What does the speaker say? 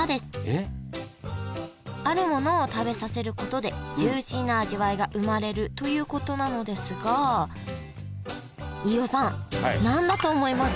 あるものを食べさせることでジューシーな味わいが生まれるということなのですが飯尾さん何だと思いますか？